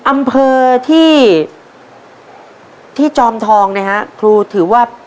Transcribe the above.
อำเภอที่จอมทองนะครับครูถือว่า